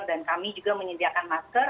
dan kami juga menyediakan masker